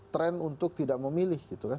tren untuk tidak memilih gitu kan